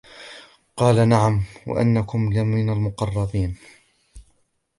قال نعم وإنكم لمن المقربين